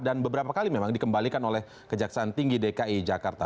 dan beberapa kali memang dikembalikan oleh kejaksaan tinggi dki jakarta